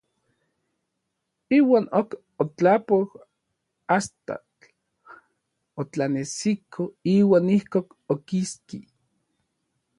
Iuan ok otlapoj asta otlanesiko; iuan ijkon okiski.